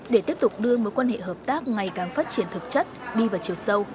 để tiếp tục đưa mối quan hệ hợp tác ngày càng phát triển thực chất đi vào chiều sâu